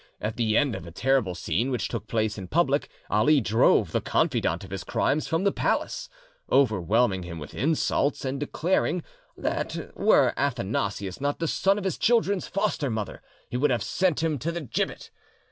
At the end of a terrible scene which took place in public, Ali drove the confidant of his crimes from the palace, overwhelming him with insults, and declaring that were Athanasius not the son of his children's foster mother, he would have sent him to the gibbet.